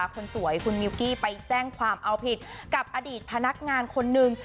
คนสวยคุณมิวกี้ไปแจ้งความเอาผิดกับอดีตพนักงานคนหนึ่ง